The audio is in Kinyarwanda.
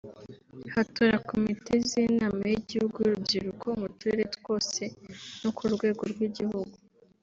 hatora Komite z’Inama y’igihugu y’Urubyiruko mu turere twose no ku rwego rw’igihugu